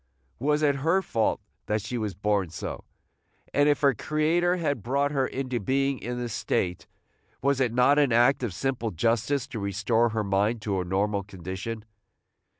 Was it her fault that she was born so? and, if her Creator had brought her into being in this state, was it not an act of simple justice to restore her mind to a normal condition?